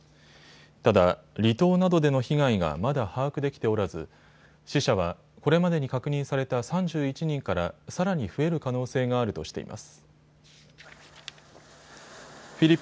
ただ離島などでの被害がまだ把握できておらず死者はこれまでに確認された３１人からさらに増える可能性があるとしています。